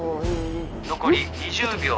残り２０秒。